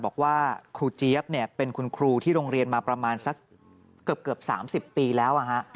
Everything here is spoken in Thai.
บอกว่าครูเจี๊ยบเป็นคุณครูที่โรงเรียนมาประมาณสักเกือบ๓๐ปีแล้ว